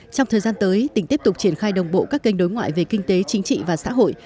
trong thời gian tới tỉnh tiếp tục triển khai đồng bộ các kênh đối ngoại về kinh tế chính trị và xã hội